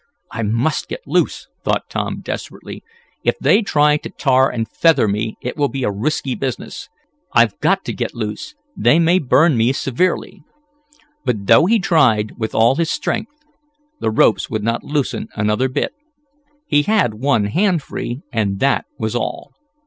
"I must get loose!" thought Tom desperately. "If they try to tar and feather me it will be a risky business. I've got to get loose! They may burn me severely!" But, though he tried with all his strength, the ropes would not loosen another bit. He had one hand free, and that was all.